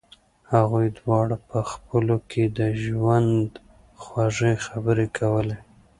هغوی دواړو په خپلو کې د ژوند خوږې خبرې کولې